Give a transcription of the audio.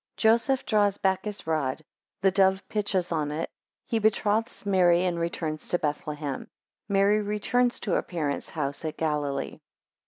1 Joseph draws back his rod. 5 The dove pitches on it. He betroths Mary and returns to Bethlehem. 7 Mary returns to her parents' house at Galilee.